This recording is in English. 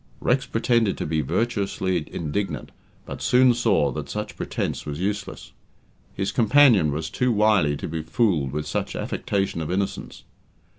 Rex pretended to be virtuously indignant, but soon saw that such pretence was useless; his companion was too wily to be fooled with such affectation of innocence.